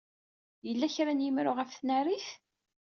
Yella kra n yemru ɣef tnarit?